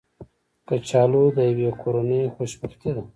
کچالو د یوې کورنۍ خوشبختي ده